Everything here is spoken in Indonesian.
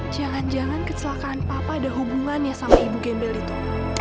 jangan jangan kecelakaan papa ada hubungannya sama ibu gembel itu